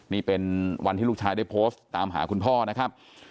นี่เป็นวันที่ลูกชายได้โพสต์ตามหาคุณพ่อนะครับ